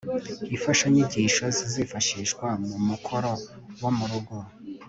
imfashanyigisho zizifashishwa mu mukoro wo mu rugo